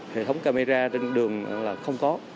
hệ thống camera trên đường là không có